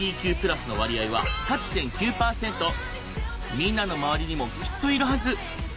みんなの周りにもきっといるはず。